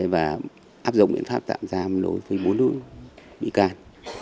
và áp dụng biện pháp tạm giam đối với bốn đối tượng bị can